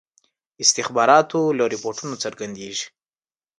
استخباراتو له رپوټونو څرګندیږي.